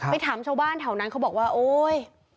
ถามชาวบ้านแถวนั้นเขาบอกว่าโอ๊ย